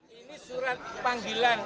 ini surat panggilan